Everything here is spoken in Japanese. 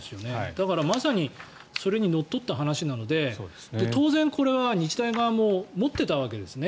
だから、まさにそれにのっとった話なので当然これは日大側も持っていたわけですね。